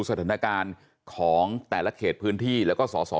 สถนการของแต่ละเขจพื้นที่แล้วก็สอสอบัญชีราย